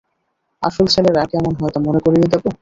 আসল ছেলেরা কেমন হয় তা মনে করিয়ে দেব?